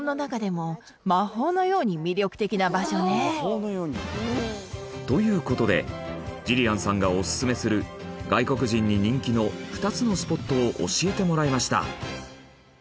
ワーオ！という事でジリアンさんがオススメする外国人に人気の２つのスポットを教えてもらいました。